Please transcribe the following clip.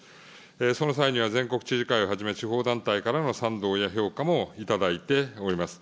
その際には、全国知事会をはじめ、地方団体からの賛同や評価も頂いております。